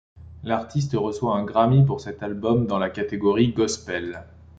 L’artiste reçoit un Grammy pour cet album dans la catégorie Gospel.